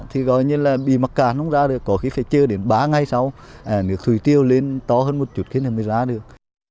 thì gọi như là bị mắc cạn không ra được có khi phải chơi đến ba ngày sau nước thủy tiêu lên to hơn một chút khiến là mới ra được